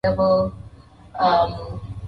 ee labda kwa kumalizia wewe kama mama wa familia